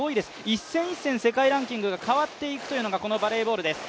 一戦一戦、世界ランキングが変わっていくというのがこのバレーボールです。